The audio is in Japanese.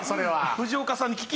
藤岡さん